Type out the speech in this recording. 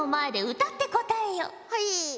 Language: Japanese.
はい。